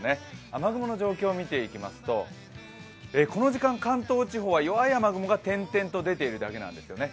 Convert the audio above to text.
雨雲の状況を見ていきますとこの時間、関東地方は弱い雨雲が点々と出ているだけなんですよね。